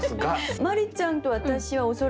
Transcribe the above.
真里ちゃんと私は恐らくねえ？